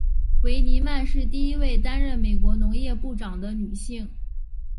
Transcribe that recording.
维尼曼是第一位担任美国农业部长的女性。